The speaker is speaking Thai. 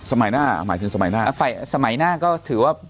สมัยหน้าหมายถึงสมัยหน้าสมัยหน้าก็ถือว่า